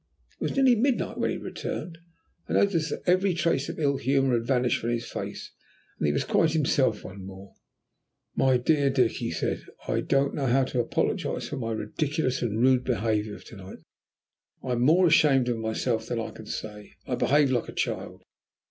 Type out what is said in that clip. It was nearly midnight when he returned. I noticed that every trace of ill humour had vanished from his face, and that he was quite himself once more. "My dear Dick," he said, "I don't know how to apologize for my ridiculous and rude behaviour of to night. I am more ashamed of myself than I can say. I behaved like a child."